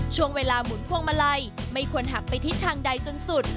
ช่วงเวลาหมุนพวงมาลัยไม่ควรหักไปทิศทางใดจนสุด